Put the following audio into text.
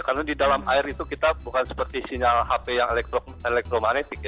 karena di dalam air itu kita bukan seperti sinyal hp yang elektromagnetik ya